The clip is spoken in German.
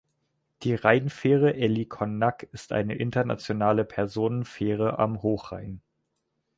Die Rheinfähre Ellikon–Nack ist eine internationale Personenfähre am Hochrhein.